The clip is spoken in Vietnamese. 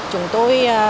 chúng tôi thường xuyên